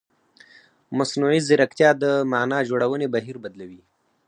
مصنوعي ځیرکتیا د معنا جوړونې بهیر بدلوي.